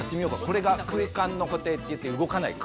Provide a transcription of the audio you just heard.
これが空間の固定っていって動かない。